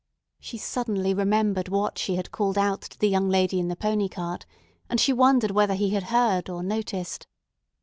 She suddenly remembered what she had called out to the young lady in the pony cart, and she wondered whether he had heard or noticed.